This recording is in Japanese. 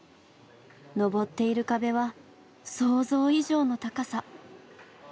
登っている壁は想像以上の高さ！